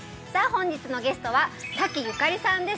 本日のゲストは滝裕可里さんです